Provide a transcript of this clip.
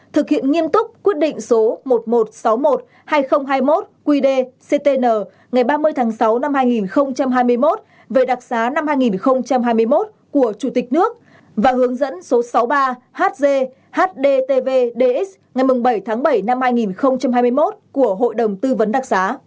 thực hiện nghiêm túc quyết định số một nghìn một trăm sáu mươi một hai nghìn hai mươi một qd ctn ngày ba mươi tháng sáu năm hai nghìn hai mươi một về đặc xá năm hai nghìn hai mươi một của chủ tịch nước và hướng dẫn số sáu mươi ba hzd ngày bảy tháng bảy năm hai nghìn hai mươi một của hội đồng tư vấn đặc xá